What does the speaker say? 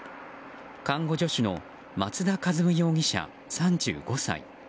看護助手の松田一夢容疑者、３５歳。